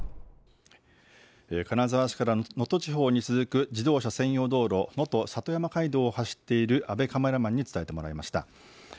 金沢市から能登地方に続く自動車専用道路、能登里山海道を走っている阿部カメラマンに伝えてもらいました。